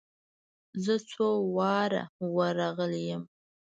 زه څو واره ور رغلى يم.